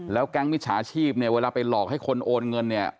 แล้วแก๊งมิจฉาชีพเนี่ยเวลาไปหลอกให้คนโอนเงินเนี่ย